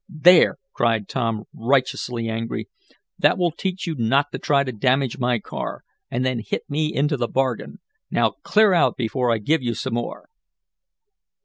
"There!" cried Tom, righteously angry. "That will teach you not to try to damage my car, and then hit me into the bargain! Now clear out, before I give you some more!"